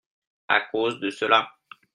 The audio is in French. À cause de cela.